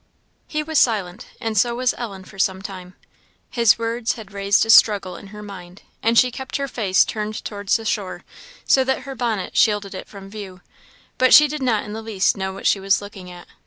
" He was silent, and so was Ellen, for some time. His words had raised a struggle in her mind; and she kept her face turned towards the shore, so that her bonnet shielded it from view; but she did not in the least know what she was looking at.